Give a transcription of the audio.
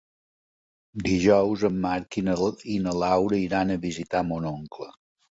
Dijous en Marc i na Laura iran a visitar mon oncle.